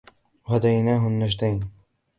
وهديناه النجدين